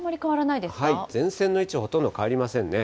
前線の位置、ほとんど変わりませんね。